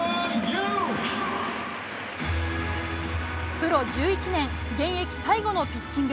プロ１１年現役最後のピッチング。